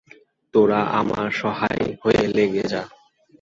তোরা আমার সহায় হয়ে লেগে যা।